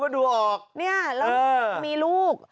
แบบนี้แล้วมีลูก